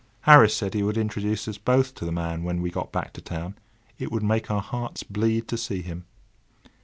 Harris said he would introduce us both to the man when we got back to town; it would make our hearts bleed to see him.